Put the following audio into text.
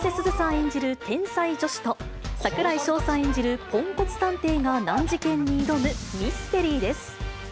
演じる天才助手と、櫻井翔さん演じるポンコツ探偵が難事件に挑むミステリーです。